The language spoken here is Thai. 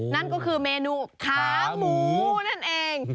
นั่นก็คือเมนูขาหมูนั่นเอง